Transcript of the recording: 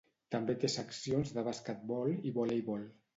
També té seccions de basquetbol i voleibol.